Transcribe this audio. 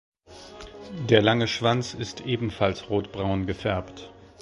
Der lange Schwanz ist ebenfalls rotbraun gefärbt.